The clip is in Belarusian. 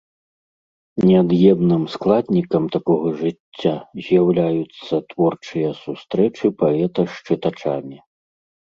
Неад'емным складнікам такога жыцця з'яўляюцца творчыя сустрэчы паэта з чытачамі.